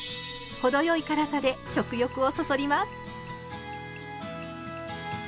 程よい辛さで食欲をそそります。